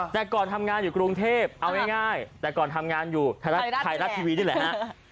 แต่ก่อนทำงานอยู่กรุงเทพเอาง่ายแต่ก่อนทำงานอยู่ไทยรัฐทีวีนี่แหละฮะ